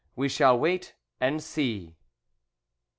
We shall wait and see!